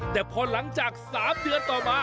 แต่พอหลังจาก๓เดือนต่อมา